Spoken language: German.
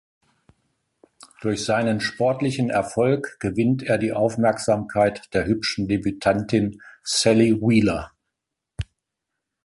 Durch seinen sportlichen Erfolg gewinnt er die Aufmerksamkeit der hübschen Debütantin Sally Wheeler.